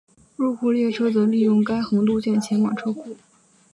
入库列车则利用该横渡线前往车库。